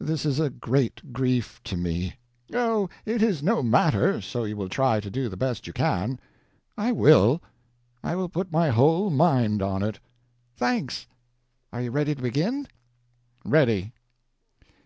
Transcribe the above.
This is a great grief to me." "Oh, it is no matter, so you will try to do the best you can." "I will. I will put my whole mind on it." "Thanks. Are you ready to begin?" "Ready."